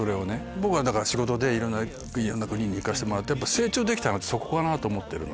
僕は仕事でいろんな国に行かせてもらって成長できたのってそこかなと思ってる。